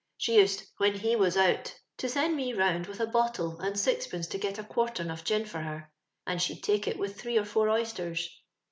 She used when he was out to send me round with a bottle and sixpence to get a quartern of gin for her, and she'd take it with three or four oysters.